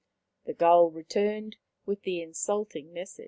The gull returned with the insulting message.